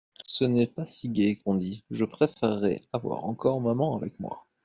Ce n'est pas si gai qu'on dit, je préférerais avoir encore maman avec moi.